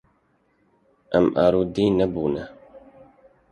Em arode nebûne.